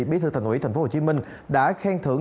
bí thư thành ủy tp hcm đã khen thưởng